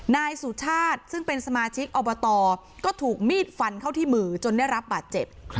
นายสุชาติซึ่งเป็นสมาชิกอบตก็ถูกมีดฟันเข้าที่มือจนได้รับบาดเจ็บ